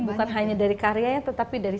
bukan hanya dari karyanya tetapi dari